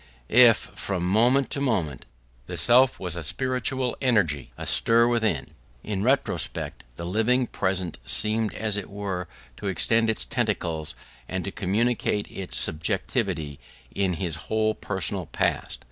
If, from moment to moment, the self was a spiritual energy astir within, in retrospect the living present seemed, as it were, to extend its tentacles and to communicate its subjectivity to his whole personal past.